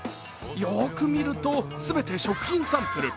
よーく見ると、全て食品サンプル。